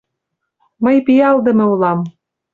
Мый пиалдыме улам.